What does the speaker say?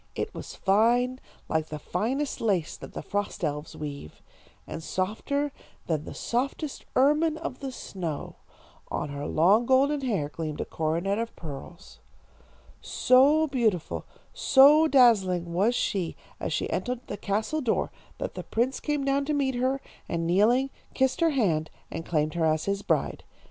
It was fine, like the finest lace that the frost elves weave, and softer than the softest ermine of the snow. On her long golden hair gleamed a coronet of pearls. "So beautiful, so dazzling was she as she entered the castle door, that the prince came down to meet her, and kneeling, kissed her hand, and claimed her as his bride.